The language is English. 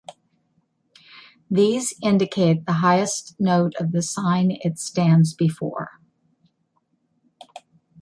These indicate the highest note of the sign it stands before.